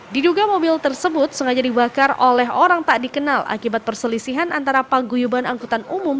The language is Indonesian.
diduga mobil tersebut sengaja dibakar oleh orang tak dikenal akibat perselisihan antara paguyuban angkutan umum